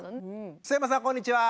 須山さんこんにちは。